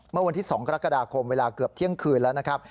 เมื่อวันที่๒กรกฎาคมเวลาเกือบเที่ยงคืนแล้วนะครับ